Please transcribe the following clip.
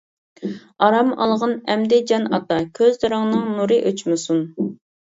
ئارام ئالغىن ئەمدى جان ئاتا، كۆزلىرىڭنىڭ نۇرى ئۆچمىسۇن.